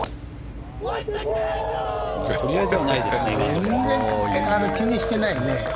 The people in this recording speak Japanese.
全然、気にしてないね。